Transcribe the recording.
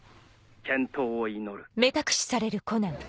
健闘を祈る。